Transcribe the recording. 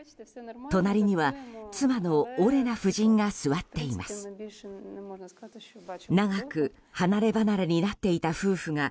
隣には妻のオレナ夫人が座っています。